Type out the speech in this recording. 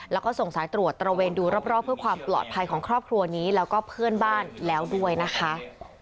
แล้วก็ส่งสายตรวจตระเวนดูรอบเพื่อความปลอดภัยของครอบครัวนี้แล้วก็เพื่อนบ้านแล้วด้วยนะคะ